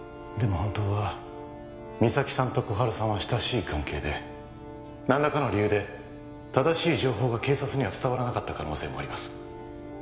本当は実咲さんと心春さんは親しい関係で何らかの理由で正しい情報が警察には伝わらなかった可能性もあります